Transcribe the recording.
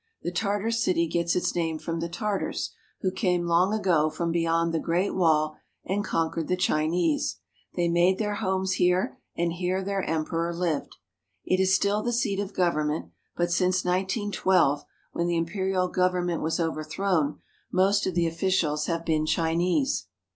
The Tartar city gets its name from the Tartars, who came, long ago, from beyond the Great Wall and conquered the Chinese. They made their homes here, and here their Emperor lived. It is still the seat of government, but since 191 2, when the Imperial government was overthrown, most of the officials have been Chinese.